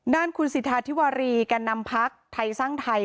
ด้านคุณสิทธาธิวารีแก่นำพักไทยสร้างไทย